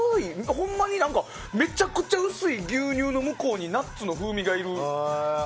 ほんまにめちゃくちゃ薄い牛乳の向こうにナッツの風味がいる。